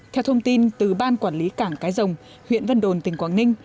theo thông tin từ ban quản lý cảng cái rồng huyện vân đồn tỉnh quảng ninh